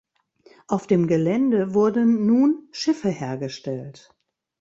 Auf dem Gelände wurden nun Schiffe hergestellt.